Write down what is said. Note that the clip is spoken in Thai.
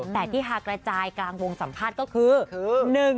แต่ที่ฮากระจายกลางวงสัมภาษณ์ก็คือ